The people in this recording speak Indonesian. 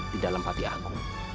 di dalam hati aku